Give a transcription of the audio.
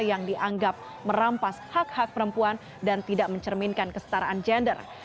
yang dianggap merampas hak hak perempuan dan tidak mencerminkan kestaraan gender